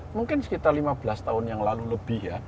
mungkin sekitar lima belas tahun yang lalu lebih ya